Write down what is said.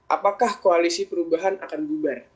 apakah koalisi perubahan akan bubar